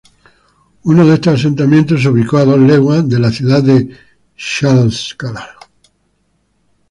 Uno de estos asentamientos se ubicó, a dos leguas de la ciudad de Tlaxcala.